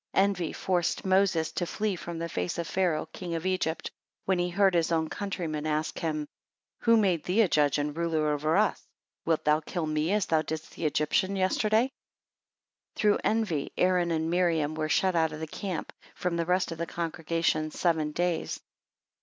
Envy forced Moses to flee from the face of Pharoah king of Egypt, when he heard his own countryman ask him, "Who made thee a Judge, and a ruler over us? Wilt thou kill me as thou didst the Egyptian yesterday?" 7 Through envy Aaron and Miriam were shut out of the camp, from the rest of the congregation seven days.